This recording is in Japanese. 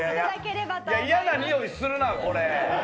嫌なにおいするなこれ。